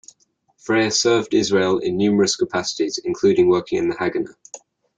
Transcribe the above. Freier served Israel in numerous capacities including working in the Haganah.